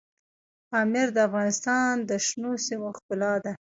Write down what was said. پامیر د افغانستان د شنو سیمو ښکلا ده.